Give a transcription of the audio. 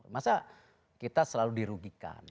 masa kita selalu dirugikan